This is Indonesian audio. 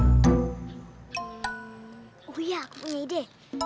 oh iya aku punya ide